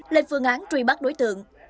lên phương án truy bắt đối tượng